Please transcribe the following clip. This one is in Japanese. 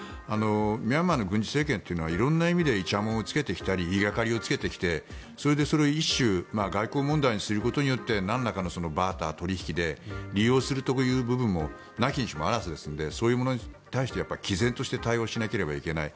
ミャンマーの軍事政権というのは色んな意味でいちゃもんをつけてきたり言いがかりをつけてきてそれで一種外交問題にすることでなんらかのバーター、取引で利用するという部分もなきにしもあらずですのでそういうものに対してきぜんと対応しなければいけない。